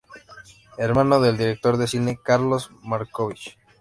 Hermano del director de cine Carlos Marcovich.